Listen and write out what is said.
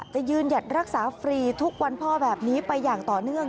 จะยืนหยัดรักษาฟรีทุกวันพ่อแบบนี้ไปอย่างต่อเนื่อง